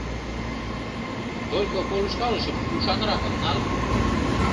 Только полышкалышым ушанракым нал.